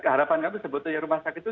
keharapan kami sebetulnya rumah sakit itu